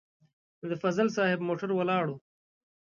د فضل صاحب موټر ولاړ و.